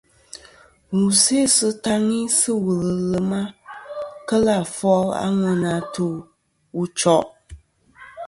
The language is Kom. Wù sè sɨ taŋi sɨ̂ wùl ɨ lwema kelɨ̀ àfol a ŋweyn atu wu choʼ.